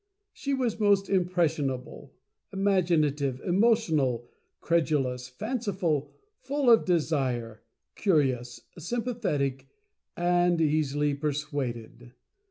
She was most impression able, imaginative, emotional, credulous, fanciful, full of desire, curious, sympathetic and easily persuaded.